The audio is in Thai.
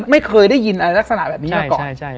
ไม่เคยได้ยินอะไรลักษณะแบบนี้มาก่อน